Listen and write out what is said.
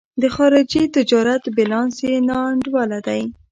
د خارجي تجارت بیلانس یې نا انډوله دی.